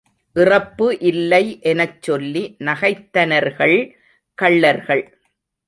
இறப்பு இல்லை எனச் சொல்லி நகைத்தனர்கள் கள்ளர்கள்.